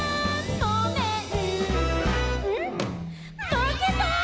まけた」